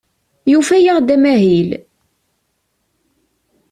Yufa-aɣ-d amahil.